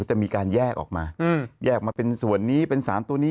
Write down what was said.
จะมีการแยกออกมาแยกมาเป็นส่วนนี้เป็นสารตัวนี้